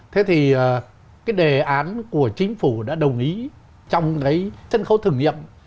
thế thì cái đề án của chính phủ đã đồng ý trong cái sân khấu thử nghiệm